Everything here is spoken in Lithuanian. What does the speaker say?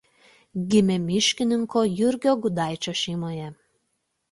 Gimė miškininko Jurgio Gudaičio šeimoje.